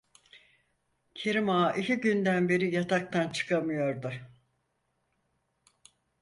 Kerim Ağa iki günden beri yataktan çıkamıyordu.